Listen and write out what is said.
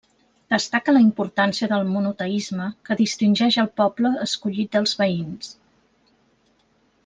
Destaca la importància del monoteisme, que distingeix el poble escollit dels veïns.